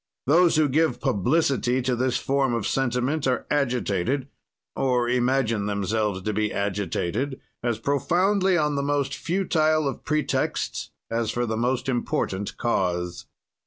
"Those who give publicity to this form of sentiment are agitated (or imagine themselves to be agitated) as profoundly on the most futile of pretexts as for the most important cause.